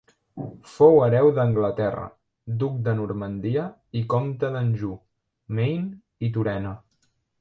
Fou hereu d'Anglaterra, duc de Normandia i comte d'Anjou, Maine i Turena.